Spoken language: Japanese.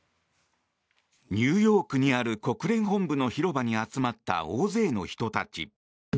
ニューヨークにある国連本部の広場に集まった大勢の人たち。